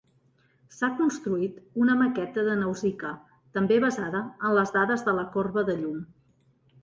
S'ha construït una maqueta de Nausikaa, també basada en les dades de la corba de llum.